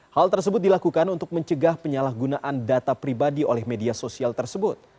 hal tersebut dilakukan untuk mencegah penyalahgunaan data pribadi oleh media sosial tersebut